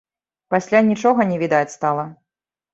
Пасля нічога не відаць стала.